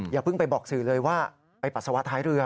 อย่าเพิ่งไปบอกสื่อเลยว่าไปปัสสาวะท้ายเรือ